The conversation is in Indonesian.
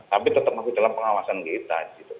tapi tetap masih dalam pengawasan kita